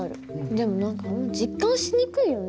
でも何かあんま実感しにくいよね。